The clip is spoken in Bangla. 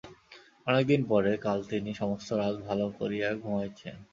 অনেক দিন পরে কাল তিনি সমস্ত রাত ভালো করিয়া ঘুমাইয়াছেন।